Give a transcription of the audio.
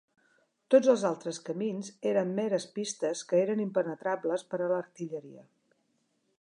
Tots els altres camins eren meres pistes que eren impenetrables per a l'artilleria.